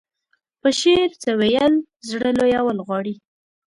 په شعر څه ويل زړه لويول غواړي.